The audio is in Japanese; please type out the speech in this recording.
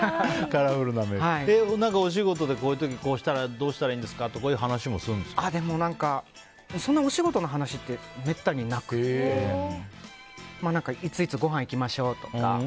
お仕事で、こういう時どうしたらいいんですかってお仕事の話ってめったになくていついつごはん行きましょうとか。